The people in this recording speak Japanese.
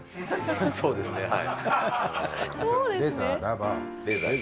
そうですね、はい。